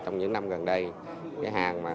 trong những năm gần đây cái hàng mà